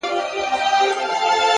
هره ورځ د ځان اصلاح فرصت دی